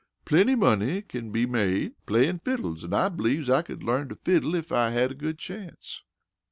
"Plenty money kin be made playin' fiddles, an' I b'lieves I could learn to fiddle ef I had a good chance."